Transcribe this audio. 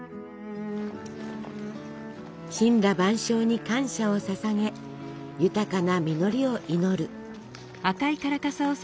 森羅万象に感謝をささげ豊かな実りを祈る。